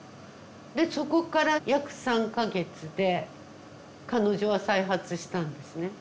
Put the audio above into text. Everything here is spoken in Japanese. でそこから約３か月で彼女は再発したんですね。